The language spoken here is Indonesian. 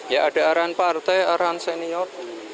ya ada arahan partai arahan senior